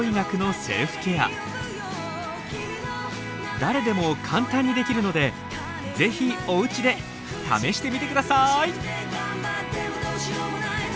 誰でも簡単にできるので是非お家で試してみて下さい。